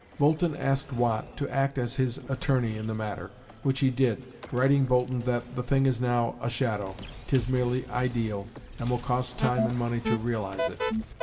Boulton asked Watt to act as his attorney in the matter, which he did, writing Boulton that "the thing is now a shadow; 'tis merely ideal, and will cost time and money to realise it."